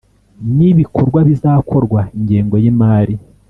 n ibikorwa bizakorwa Ingengo y imari